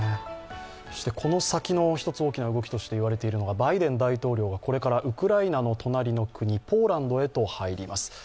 この先の一つ大きな動きとして言われているのが、バイデン大統領がこれからウクライナの隣の国、ポーランドへと入ります。